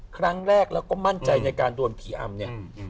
ครั้งแรกแล้วก็มั่นใจในการโดนผีอำเนี่ย